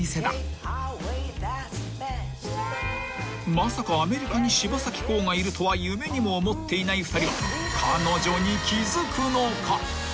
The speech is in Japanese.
［まさかアメリカに柴咲コウがいるとは夢にも思っていない２人は彼女に気付くのか］